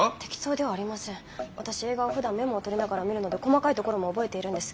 私映画はふだんメモを取りながら見るので細かいところも覚えているんです。